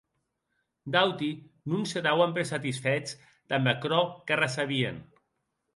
D’auti non se dauen per satisfèts damb aquerò que recebien.